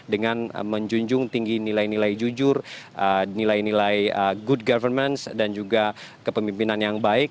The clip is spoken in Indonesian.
dengan menjunjung tinggi nilai nilai jujur nilai nilai good governance dan juga kepemimpinan yang baik